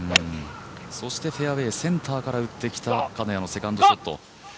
そしてフェアウエーセンターから打ってきた金谷のセカンドショット。